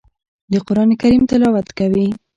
د قران کریم تلاوت کوي.